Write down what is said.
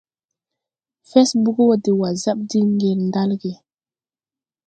Fɛsbug wɔ de wasap diŋ ŋdel ɗalge.